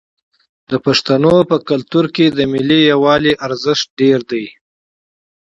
د پښتنو په کلتور کې د ملي یووالي ارزښت ډیر دی.